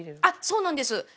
あっそうなんです。